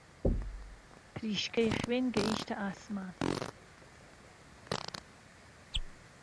پڕیشکەی خوێن گهیشته عاسمان